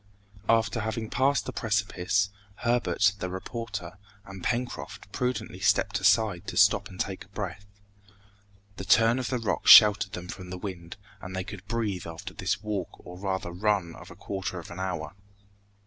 After having passed the precipice, Herbert, the reporter, and Pencroft prudently stepped aside to stop and take breath. The turn of the rocks sheltered them from the wind, and they could breathe after this walk or rather run of a quarter of an hour.